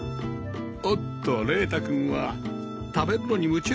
おっと羚太君は食べるのに夢中！